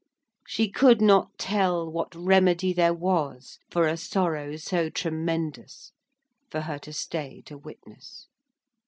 She could not tell what remedy there was for a sorrow so tremendous, for her to stay to witness.